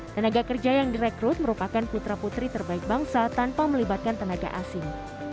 tenaga kerja yang direkrut merupakan putra putri terbaik bangsa tanpa melibatkan tenaga asing